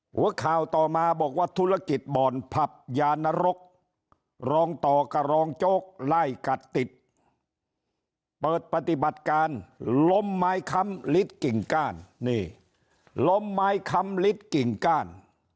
หัวข่าวต่อมาบอกว่าธุรกิจบ่อนผับยานรกรองต่อกับรองโจ๊กไล่กัดติดเปิดปฏิบัติการล้มไม้ค้ำลิดกิ่งก้านนี่ล้มไม้ค้ำลิดกิ่งก้าน